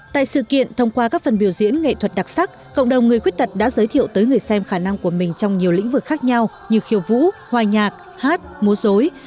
tại sự kiện thông qua các phần biểu diễn nghệ thuật đặc sắc cộng đồng người khuyết tật đã giới thiệu tới người xem khả năng của mình trong nhiều lĩnh vực khác nhau như khiêu vũ hoa nhạc hát múa dối